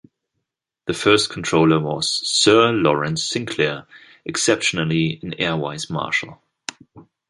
The first Controller was Sir Laurence Sinclair, exceptionally an Air Vice Marshal.